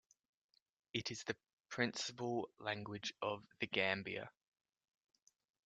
It is the principal language of the Gambia.